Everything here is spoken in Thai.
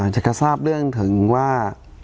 จะกระทราบเรื่องถึงว่า